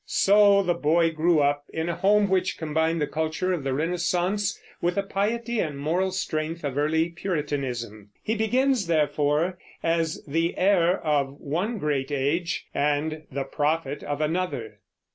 So the boy grew up in a home which combined the culture of the Renaissance with the piety and moral strength of early Puritanism. He begins, therefore, as the heir of one great age and the prophet of another.